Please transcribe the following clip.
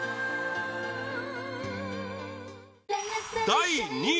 第２位